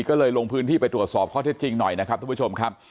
ก็เลยลงพื้นที่ไปตรวจสอบข้อเท็จจริงหน่อยนะครับทุกผู้ชมครับ